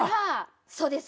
そうです。